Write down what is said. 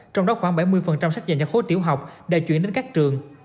trong đó khoảng bảy mươi sách dành cho khối tiểu học đã chuyển đến các trường